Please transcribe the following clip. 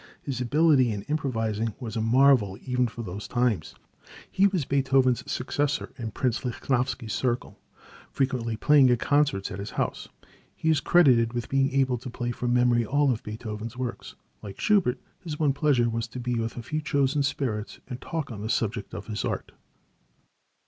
His ability in improvising was a marvel even for those times. He was Beethoven's successor in Prince Lichnowsky's circle, frequently playing at concerts at his house. He is credited with being able to play from memory all of Beethoven's works. Like Schubert, his one pleasure was to be with a few chosen spirits, and talk on the subject of his art.